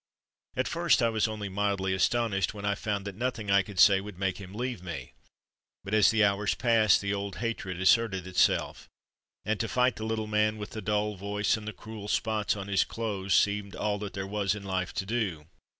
At first I was only mildly astonished when I found that nothing I could say would make him leave me, but as the hours passed the old hatred asserted itself, and to fight the little man with the dull voice and the cruel spots on his clothes seemed all that there was in life to do.